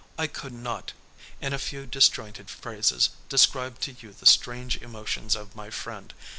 I could not, in a few disjointed phrases describe to you the strange emotions of my friend.